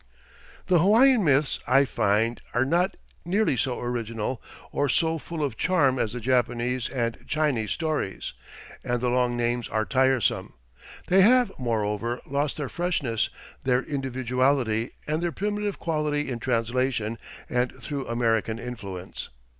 The Hawaiian myths, I find, are not nearly so original or so full of charm as the Japanese and Chinese stories, and the long names are tiresome. They have, moreover, lost their freshness, their individuality and their primitive quality in translation and through American influence.